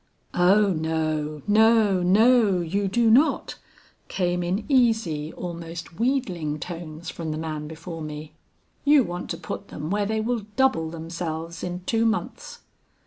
"'Oh no, no, no, you do not,' came in easy, almost wheedling tones from the man before me. 'You want to put them where they will double themselves in two months.'